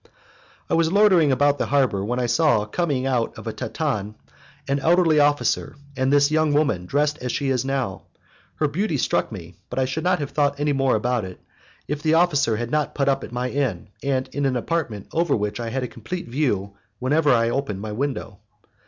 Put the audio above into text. "I was loitering about the harbour when I saw, coming out of a tartan, an elderly officer and this young woman dressed as she is now. Her beauty struck me, but I should not have thought any more about it, if the officer had not put up at my inn, and in an apartment over which I had a complete view whenever I opened my window.